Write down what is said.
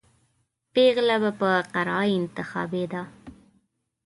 پېغله به په قرعه انتخابېده.